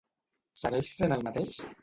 Segueix sent el mateix?